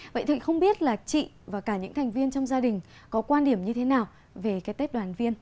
vậy thì không biết là chị và cả những thành viên trong gia đình có quan điểm như thế nào về cái tết đoàn viên